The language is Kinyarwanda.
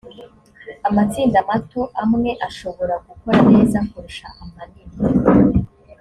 amatsinda mato amwe ashobora gukora neza kurusha amanini